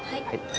はい。